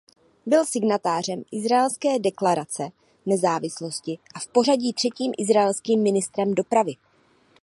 Byl signatářem izraelské deklarace nezávislosti a v pořadí třetím izraelským ministrem dopravy.